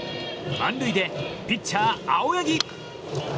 満塁でピッチャー青柳。